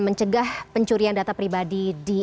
mencegah pencurian data pribadi di